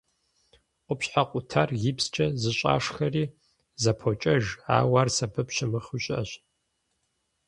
Къупщхьэ къутар гипскӏэ зэщӏашхэри зэпокӏэж, ауэ ар сэбэп щымыхъуи щыӏэщ.